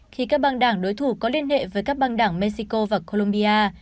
khi các băng đảng đối thủ có liên hệ với các băng đảng mexico và columbia